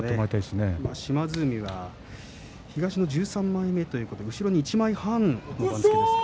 島津海は東の１３枚目ということで後ろに一枚半。